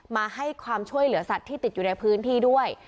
มาให้ความช่วยเหลือสัตว์ที่ติดอยู่ในพื้นที่ด้วย